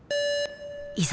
いざ。